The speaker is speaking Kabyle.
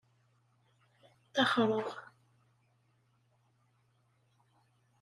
Ttaxreɣ.